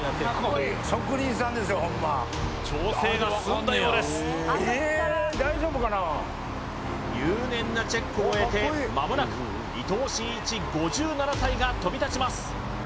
入念なチェックを終えてまもなく伊藤慎一５７歳が飛び立ちます